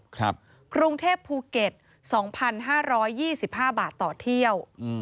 กรุงเทพภูเก็ต๒๕๒๕บาทต่อเที่ยว